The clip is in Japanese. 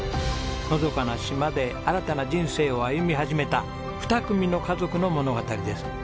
のどかな島で新たな人生を歩み始めた２組の家族の物語です。